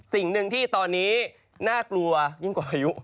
สิ่งหนึ่งที่ตอนนี้น่ากลัวยิ่งกว่าพายุ